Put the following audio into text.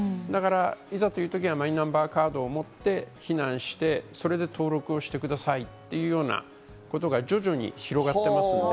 いざという時に、マイナンバーカードを持って避難して、それで登録をしてくださいっていうようなことが徐々に広がっています。